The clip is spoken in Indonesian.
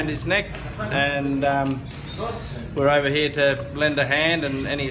dan kami datang ke sini untuk menangkapnya